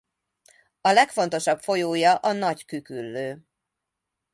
A legfontosabb folyója a Nagy-Küküllő.